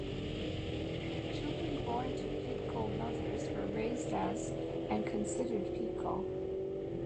Children born to Pequot mothers were raised as and considered Pequot.